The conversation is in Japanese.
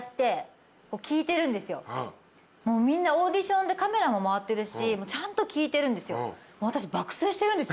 もうみんなオーディションでカメラも回ってるしちゃんと聞いてるんですよ。